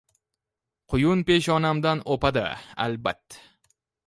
Quyun peshonamdan o’padi albat!